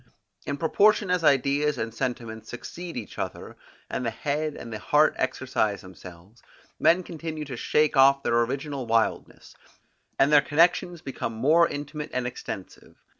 In proportion as ideas and sentiments succeed each other, and the head and the heart exercise themselves, men continue to shake off their original wildness, and their connections become more intimate and extensive.